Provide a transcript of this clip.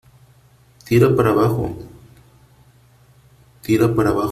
¡ tira para abajo !¡ tira para abajo !